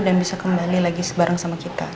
dan bisa kembali lagi bareng sama kita